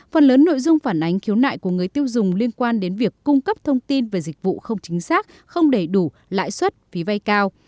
phần lớn nội dung phản ánh khiếu nại của người tiêu dùng liên quan đến việc cung cấp thông tin về dịch vụ không chính xác không đầy đủ lãi suất phí vay cao